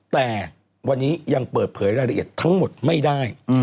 แต่วันนี้ยังเปิดเผยรายละเอียดทั้งหมดไม่ได้